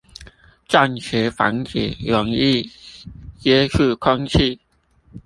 暫時防止溶液接觸空氣